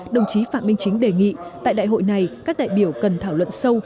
đồng chí phạm minh chính đề nghị tại đại hội này các đại biểu cần thảo luận sâu